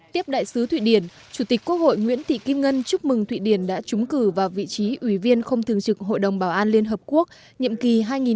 tiếp đại sứ thụy điển chủ tịch quốc hội nguyễn thị kim ngân chúc mừng thụy điển đã trúng cử vào vị trí ủy viên không thường trực hội đồng bảo an liên hợp quốc nhiệm kỳ hai nghìn hai mươi hai nghìn hai mươi một